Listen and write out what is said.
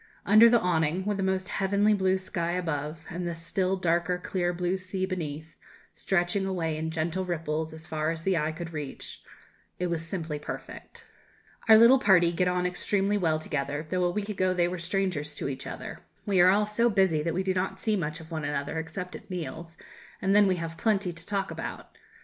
Under the awning with the most heavenly blue sky above, and the still darker clear blue sea beneath, stretching away in gentle ripples as far as the eye could reach it was simply perfect. Our little party get on extremely well together, though a week ago they were strangers to each other. We are all so busy that we do not see much of one another except at meals, and then we have plenty to talk about.